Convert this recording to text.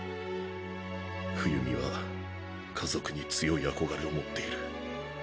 冬美は家族に強い憧れを持っている。